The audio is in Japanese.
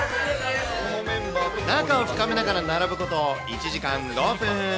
仲を深めながら並ぶこと１時間５分。